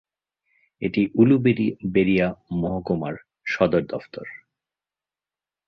এটি উলুবেড়িয়া মহকুমার সদর দফতর।